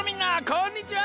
こんにちは！